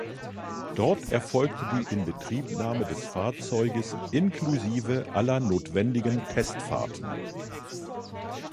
Dort erfolgte die Inbetriebnahme des Fahrzeuges inklusive aller notwendigen Testfahrten.